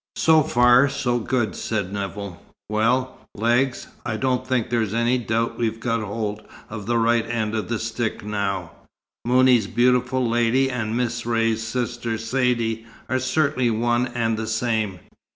"So far, so good," said Nevill. "Well, Legs, I don't think there's any doubt we've got hold of the right end of the stick now. Mouni's beautiful lady and Miss Ray's sister Saidee are certainly one and the same.